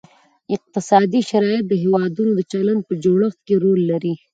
اقتصادي شرایط د هیوادونو د چلند په جوړښت کې رول لري